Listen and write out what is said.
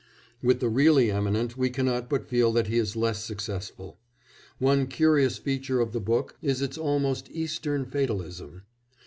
With the really eminent we cannot but feel that he is less successful. One curious feature of the book is its almost Eastern fatalism.